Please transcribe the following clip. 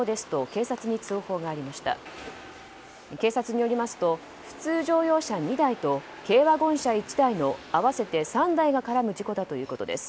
警察によりますと普通乗用車２台と軽ワゴン車１台の合わせて３台が絡む事故だということです。